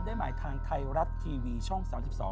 ได้หมายทางไทยรัฐทีวีช่อง๓๒